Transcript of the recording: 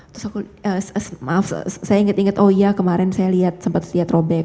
terus aku maaf saya inget inget oh iya kemarin saya liat sempet liat robek